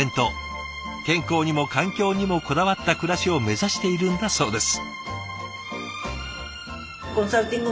健康にも環境にもこだわった暮らしを目指しているんだそうです。